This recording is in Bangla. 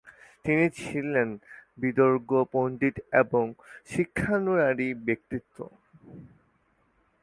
তিনি ছিলেন বিদগ্ধ পণ্ডিত এবং শিক্ষানুরাগী ব্যক্তিত্ব।